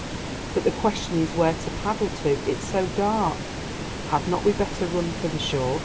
"But the question is where to paddle to—it's so dark. Had not we better run for the shore?"